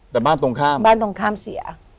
แต่บ้านตรงข้ามเสีย